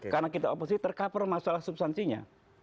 karena kita oposisi tercover masalah substansinya